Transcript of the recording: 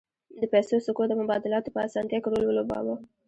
د پیسو سکو د مبادلاتو په اسانتیا کې رول ولوباوه